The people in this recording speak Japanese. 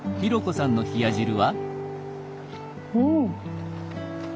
うん。